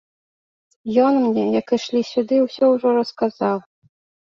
Ён мне, як ішлі сюды, усё ўжо расказаў.